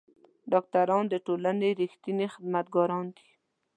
ډاکټران د ټولنې رښتوني خدمتګاران دي.